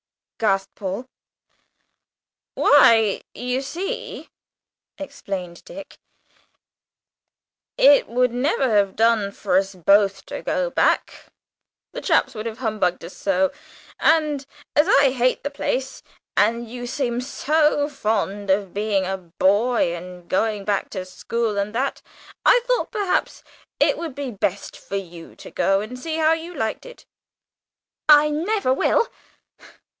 gasped Paul. "Why, you see," exclaimed Dick, "it would never have done for us both to go back; the chaps would have humbugged us so, and as I hate the place and you seem so fond of being a boy and going back to school and that, I thought perhaps it would be best for you to go and see how you liked it!" "I never will!